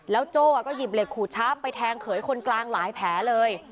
โจ้ก็หยิบเหล็กขูดช้าปไปแทงเขยคนกลางหลายแผลเลย